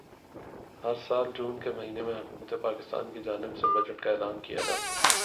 ہر سال جون کے مہینے میں حکومت پاکستان کی جانب سے بجٹ کا اعلان کیا جاتا ہے